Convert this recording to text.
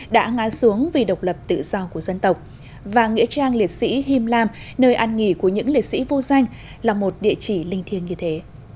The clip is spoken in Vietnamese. đã ngã xuống vì độc lập tự do của dân tộc và nghĩa trang liệt sĩ him lam nơi ăn nghỉ của những liệt sĩ vô danh là một địa chỉ linh thiêng như thế